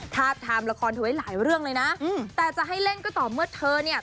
ทามละครเธอไว้หลายเรื่องเลยนะแต่จะให้เล่นก็ต่อเมื่อเธอเนี่ย